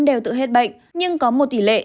đều tự hết bệnh nhưng có một tỷ lệ